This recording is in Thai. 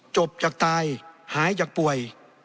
จบจากตายหายจากป่วย